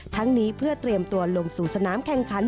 ทั้งนี้เพื่อเตรียมตัวลงสู่สนามแข่งขัน